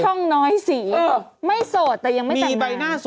ช่องน้อยสีไม่โสดแต่ยังไม่แต่งงาน